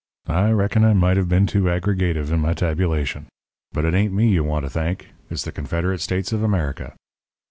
I reckon I might have been too aggregative in my tabulation. But it ain't me you want to thank it's the Confederate States of America.'